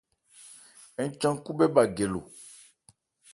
Ń chan khúthé bha gɛ lo.